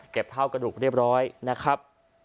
เท่ากระดูกเรียบร้อยนะครับ